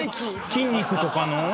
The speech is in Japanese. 筋肉とかの？